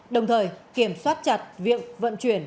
đồng thời kiểm soát chặt viện vận chuyển